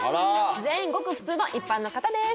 全員ごく普通の一般の方です